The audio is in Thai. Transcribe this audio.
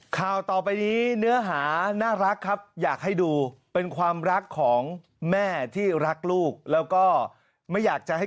ข่าวต่อไปนี้เนื้อหาน่ารักครับอยากให้ดูเป็นความรักของแม่ที่รักลูกแล้วก็ไม่อยากจะให้